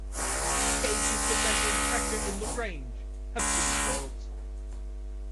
Gauges for measuring pressure in the range have been built.